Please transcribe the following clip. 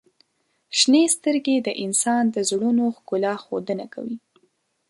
• شنې سترګې د انسان د زړونو ښکلا ښودنه کوي.